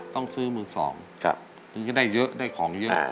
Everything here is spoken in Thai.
ต้องซื้อมือสองถึงจะได้เยอะได้ของเยอะ